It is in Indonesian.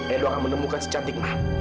edo akan menemukan si cantik mak